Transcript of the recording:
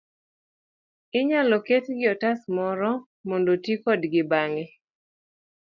inyalo ketgi e otas moro mondo oti kodgi bang'e.